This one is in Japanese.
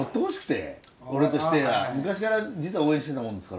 昔から実は応援してたもんですから。